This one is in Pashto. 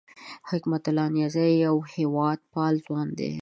حکمت الله نیازی یو هېواد پال ځوان دی